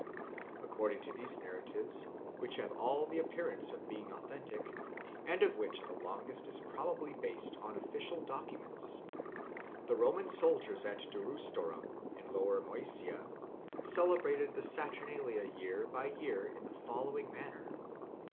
According to these narratives, which have all the appearance of being authentic, and of which the longest is probably based on official documents, the Roman soldiers at Durostorum in Lower Moesia celebrated the Saturnalia year by year in the following manner.